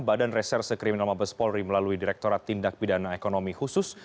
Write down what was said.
badan reserse kriminal mabes polri melalui direkturat tindak pidana ekonomi khusus